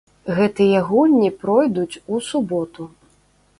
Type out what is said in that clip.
Гэтыя гульні пройдуць у суботу.